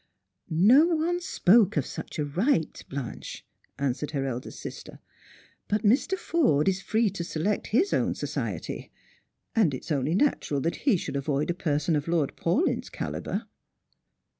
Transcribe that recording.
" No one spoke of such a right, Blanche," answered her eldest sister ;" but Mr. Forde is free to select his own society, and it is only natural that he should avoid a person of Lord Paulyn'a calibre."